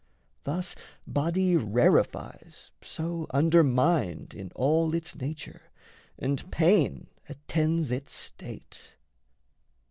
Thus body rarefies, so undermined In all its nature, and pain attends its state.